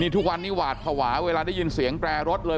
ทุกวันนี้หวาดภาวะเวลาได้ยินเสียงแปรรถเลย